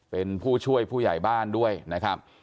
เป็นผู้ช่วยผู้ใหญ่บ้านด้วยนะครับ